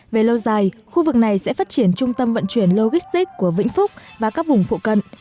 về lâu dài khu vực này sẽ phát triển trung tâm vận chuyển logistic của vĩnh phúc và các vùng phụ cận